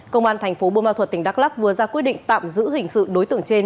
công an thành phố bô ma thuật tỉnh đắk lắc vừa ra quyết định tạm giữ hình sự đối tượng trên